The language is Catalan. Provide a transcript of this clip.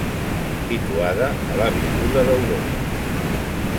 Situada a l'Avinguda Europa.